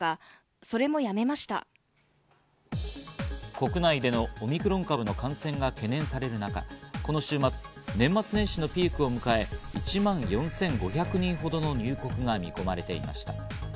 国内でのオミクロン株の感染が懸念される中、この週末、年末年始をピークを迎え、１万４５００人ほどの入国が見込まれていました。